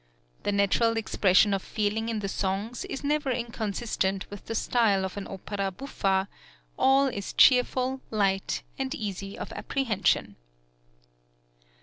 The natural expression of feeling in the songs is never inconsistent with the style of an opera buffa; all is cheerful, light, and easy of apprehension.